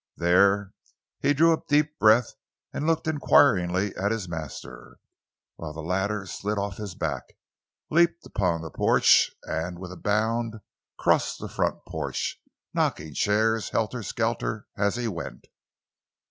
There he drew a deep breath and looked inquiringly at his master, while the latter slid off his back, leaped upon the porch, and with a bound crossed the porch floor, knocking chairs helter skelter as he went.